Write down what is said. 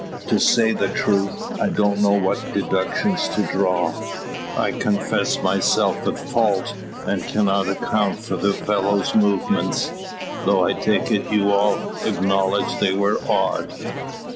"To say the truth, I don't know what deductions to draw, I confess myself at fault; and cannot account for the fellow's movements; though I take you'll all acknowledge they were odd.